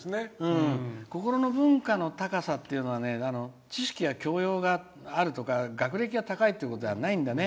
心の文化の高さっていうのは知識や教養があるとか学歴が高いというところじゃないんだね。